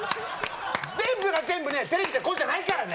全部が全部ねテレビってこうじゃないからね！